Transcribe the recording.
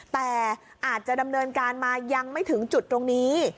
แต่อาจจะดำเนินการมายังไม่ถึงจุดตรงนี้